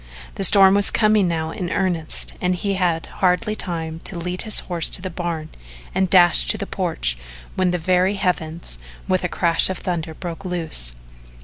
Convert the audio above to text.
The storm was coming now in earnest and he had hardly time to lead his horse to the barn and dash to the porch when the very heavens, with a crash of thunder, broke loose.